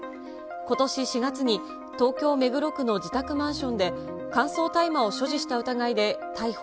ことし４月に、東京・目黒区の自宅マンションで、乾燥大麻を所持した疑いで逮捕。